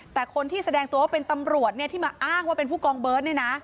แต่คนที่แสดงตัวว่าเป็นตำรวจที่มาอ้างว่าเป็นผู้กองเบิร์ตเนี่ยนะ